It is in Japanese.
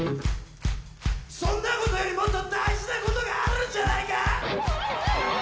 そんなことよりもっと大事なことがあるんじゃないか？